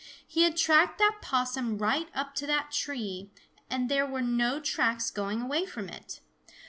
He had tracked that Possum right up to that tree, and there were no tracks going away from it.